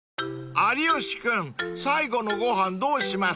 ［有吉君最後のご飯どうします？］